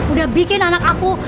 udah bikin anak aku